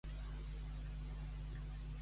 Què no va especificar ahir Junqueras?